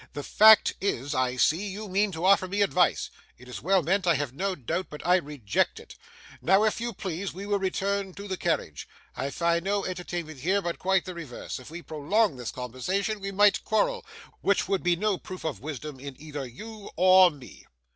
The fact is, I see, you mean to offer me advice. It is well meant, I have no doubt, but I reject it. Now, if you please, we will return to the carriage. I find no entertainment here, but quite the reverse. If we prolong this conversation, we might quarrel, which would be no proof of wisdom in either you or me.